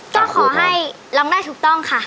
ก็ขอให้ร้องได้ถูกต้องค่ะ